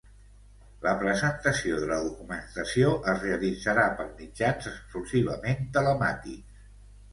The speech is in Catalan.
La presentació de la documentació es realitzarà per mitjans exclusivament telemàtics.